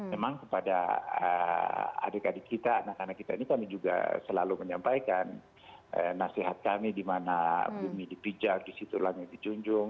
memang kepada adik adik kita anak anak kita ini kami juga selalu menyampaikan nasihat kami dimana bumi dipijak di situ langit dijunjung